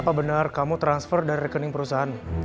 apa benar kamu transfer dari rekening perusahaan